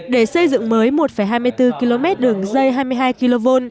để xây dựng mới một hai mươi bốn km đường dây hai mươi hai kv